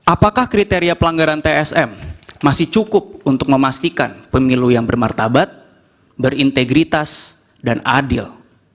apakah kriteria pelanggaran tsm masih cukup untuk memastikan pemilu yang bermartabat berintegritas dan adil